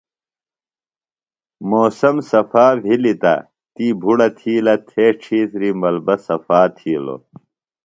موسم صفا بھِلیۡ تہ تی بھُڑہ تھِیلہ تھے ڇھیتری ملبہ صفاتھِیلو۔